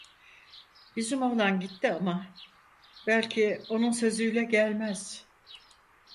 Bizim oğlan gitti ama, belki onun sözüyle gelmez.